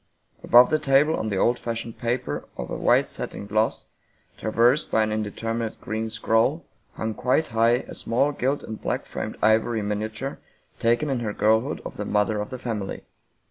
Above the table on the old fashioned paper, of a white satin gloss, traversed by an indeterminate green scroll, hung quite high a small gilt and black framed ivory miniature taken in her girlhood of the mother of the family.